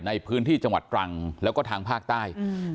ในพื้นที่จังหวัดตรังแล้วก็ทางภาคใต้